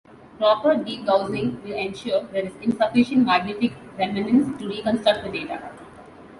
Proper degaussing will ensure there is insufficient magnetic remanence to reconstruct the data.